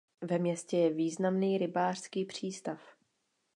Ve městě je významný rybářský přístav.